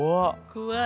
怖い。